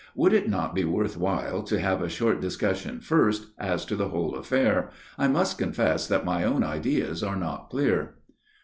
" Would it not be worth while to have a short discussion first as to the whole affair ? I must confess that my own ideas are not clear."